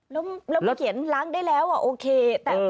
ลบไปเขียนล้างได้แล้วอ่ะโอเค